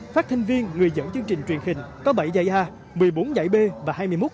phát thanh viên người dẫn chương trình truyền hình có bảy giải a một mươi bốn giải b và hai mươi một